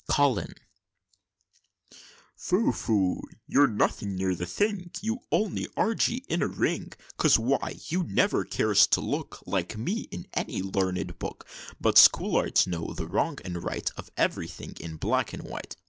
COLIN. "Phoo! phoo! You're nothing near the thing! You only argy in a ring; 'Cause why? You never cares to look, Like me, in any larned book; But schollards know the wrong and right Of every thing in black and white.